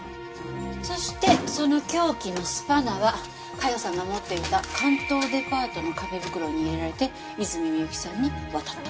そしてその凶器のスパナは加代さんが持っていた関東デパートの紙袋に入れられて泉美由紀さんに渡った。